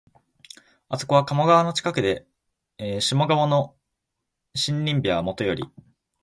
あそこは鴨川の近くで、下鴨の森林美はもとより、